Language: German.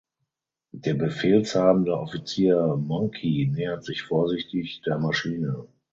Der befehlshabende Offizier Monkey nähert sich vorsichtig der Maschine.